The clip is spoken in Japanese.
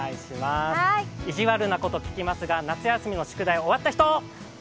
いじわるなこと聞きますが夏休みの宿題終わった人？